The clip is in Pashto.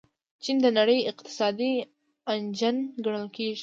چین د نړۍ اقتصادي انجن ګڼل کیږي.